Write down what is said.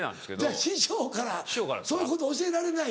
ちゃう師匠からそういうこと教えられない？